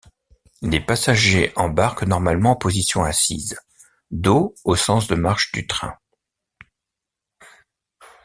Les passagers embarquent normalement en position assise, dos au sens de marche du train.